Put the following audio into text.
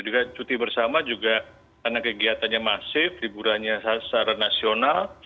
juga cuti bersama juga karena kegiatannya masif liburannya secara nasional